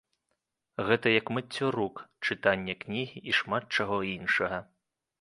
Гэта як мыццё рук, чытанне кнігі і шмат чаго іншага.